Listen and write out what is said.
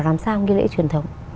làm sao nghi lễ truyền thống